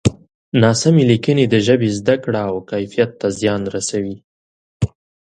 ناسمې لیکنې د ژبې زده کړه او کیفیت ته زیان رسوي.